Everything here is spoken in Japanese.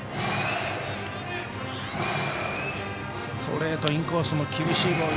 ストレート、インコースの厳しいボール